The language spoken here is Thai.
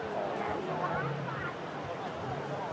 สวัสดีครับ